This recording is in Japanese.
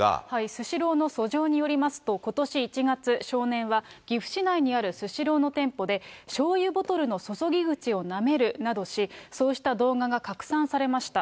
スシローの訴状によりますと、ことし１月、少年は岐阜市内にあるスシローの店舗で、しょうゆボトルの注ぎ口をなめるなどし、そうした動画が拡散されました。